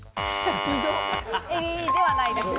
エビではないです。